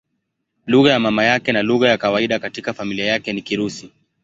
Lugha ya mama yake na lugha ya kawaida katika familia yake ni Kirusi.